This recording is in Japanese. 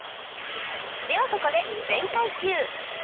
ではここで「全開 Ｑ」